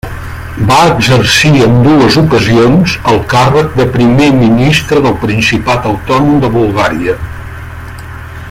Va exercir en dues ocasions el càrrec de primer ministre del Principat autònom de Bulgària.